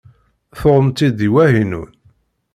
Tuɣem-tt-id deg Wahinun?